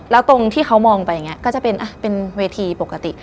แล้วตรงที่เขามองไปก็จะเป็นเวทีปกติ